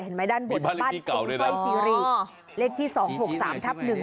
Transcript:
เห็นไหมด้านบนบ้านมีบ้านเลขที่เก่าด้วยน่ะอ๋อเลขที่สองหกสามทับหนึ่ง